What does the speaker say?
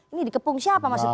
ini dikepung siapa maksudnya